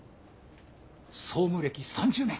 総務歴３０年。